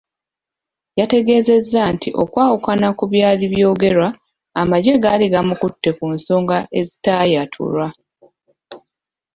Yategeeza nti okwawukana kubyali byogerwa, amagye gaali gamukutte ku nsonga ezitaayatulwa.